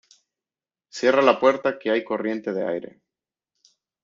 Cierra la puerta que hay corriente de aire.